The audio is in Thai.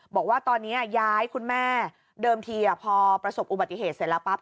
บอกว่าตอนนี้ย้ายคุณแม่เดิมทีพอประสบอุบัติเหตุเสร็จแล้วปั๊บ